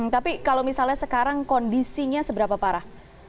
tapi kalau misalnya sekarang kondisinya seberapa parah